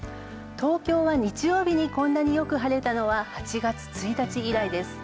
東京は日曜日に、こんなによく晴れたのは８月１日以来です。